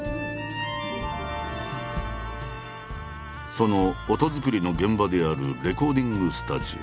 その音作りの現場であるレコーディングスタジオ。